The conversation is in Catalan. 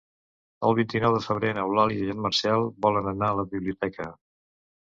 El vint-i-nou de febrer n'Eulàlia i en Marcel volen anar a la biblioteca.